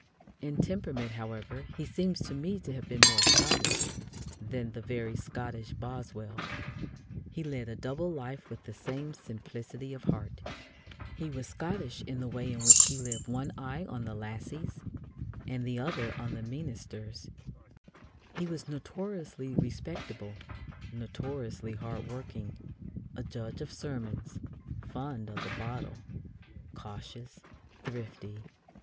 In temperament, however, he seems to me to have been more Scottish than the very Scottish Boswell. He led a double life with the same simplicity of heart. He was Scottish in the way in which he lived with one eye on the "lassies" and the other on "the meenister." He was notoriously respectable, notoriously hard working, a judge of sermons, fond of the bottle, cautious, thrifty.